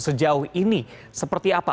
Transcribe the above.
sejauh ini seperti apa